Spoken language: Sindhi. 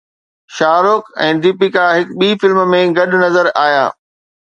شاهه رخ ۽ ديپيڪا هڪ ٻي فلم ۾ گڏ نظر آيا